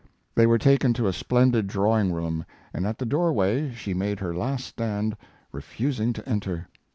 They were taken to a splendid drawing room, and at the doorway she made her last stand, refusing to enter.